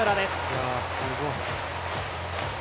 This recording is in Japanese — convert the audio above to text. いや、すごい。